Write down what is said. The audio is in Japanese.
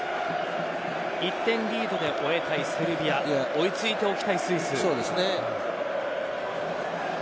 １点リードで終えたいセルビア追い付いておきたいスイス。